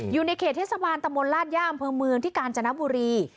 อยู่ในเขตเทศสมันตรรมลราชย่ามเผอร์เมืองที่กาญจนบุรี